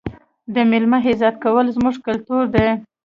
د مېلمه عزت کول زموږ کلتور دی.